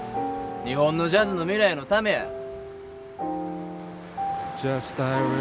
日本のジャズの未来のためや。